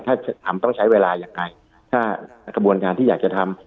ถ้าทำต้องใช้เวลายังไงถ้ากระบวนการที่อยากจะทำ